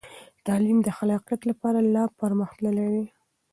تعلیم د خلاقیت لپاره لا پرمخ تللی دی.